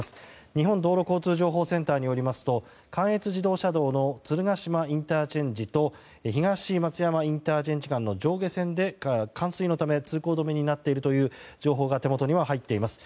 日本道路交通情報センターによりますと関越自動車道の鶴ヶ島ＩＣと東松山ＩＣの上下線で冠水のため通行止めになっているという情報が手元に入っています。